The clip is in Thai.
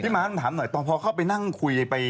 พี่มะต้องถามหน่อยตอนพอก็ไปนั่งคุย